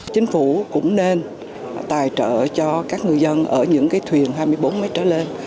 chính phủ cũng nên tài trợ cho các người dân ở những cái thuyền hai mươi bốn m lên